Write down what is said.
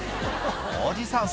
おじさん